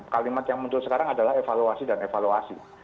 kalimat yang muncul sekarang adalah evaluasi dan evaluasi